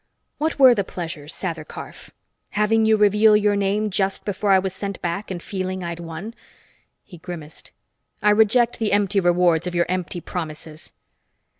What were the pleasures, Sather Karf? Having you reveal your name just before I was sent back and feeling I'd won?" He grimaced. "I reject the empty rewards of your empty promises!"